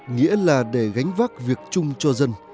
nghĩa là để gánh vác việc chung cho dân